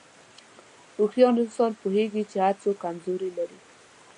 هوښیار انسان پوهېږي چې هر څوک کمزوري لري.